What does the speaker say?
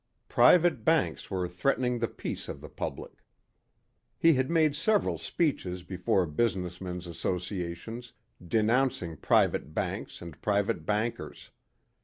Private banks were threatening the peace of the public. He had made several speeches before business men's associations denouncing private banks and private bankers.